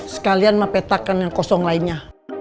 sekalian ma petakan yang kosong lainnya